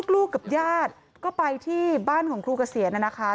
ลูกกับญาติก็ไปที่บ้านของครูเกษียณนะคะ